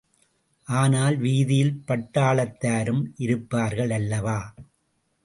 ஆனால் வீதியில் பட்டாளத்தாரும் இருப்பார்கள் அல்லவா?